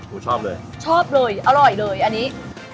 ผมชอบเลยชอบเลยอร่อยเลยอันนี้